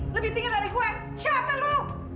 lebih tinggi dari gue siapa lu